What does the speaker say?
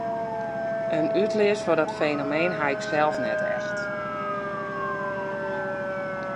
In útlis foar dat fenomeen haw ik sels net echt.